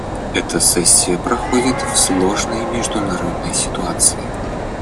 Эта сессия проходит в сложной международной ситуации.